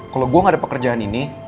kalau gue gak ada pekerjaan ini